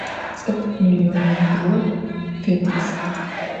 Ts'ıf millionibğu fediz.